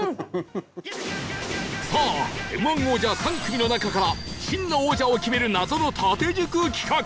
さあ Ｍ−１ 王者３組の中から真の王者を決める謎の縦軸企画